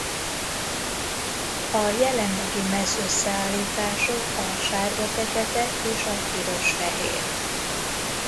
A jelenlegi mez összeállítások a sárga-fekete és a piros-fehér.